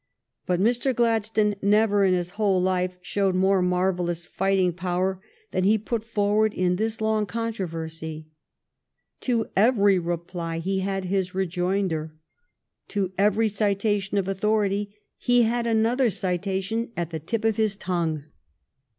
But Mr. Gladstone never in his whole life showed a 196 THE STORY OF GLADSTONE'S LIFE more marvellous fighting power than he put forward in this long controversy. To every reply he had his rejoinder; to every citation oi authority he had another citation at the tip of his tongue.